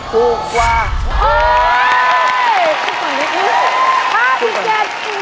ถูกกว่า